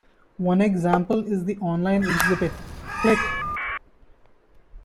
One example is the online exhibit Click!